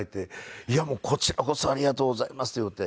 「いやもうこちらこそありがとうございます」って言って。